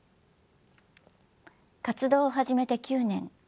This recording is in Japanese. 活動を始めて９年。